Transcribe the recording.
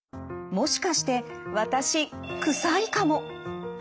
もしかして私臭いかも？